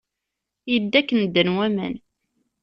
Yedda akken ddan waman.